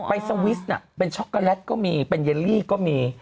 สวิสเป็นช็อกโกแลตก็มีเป็นเยลลี่ก็มี